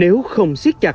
nếu không xử lý các kế hoạch